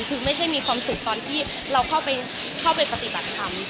คือไม่ใช่มีความสุขตอนที่เราเข้าไปปฏิบัติธรรม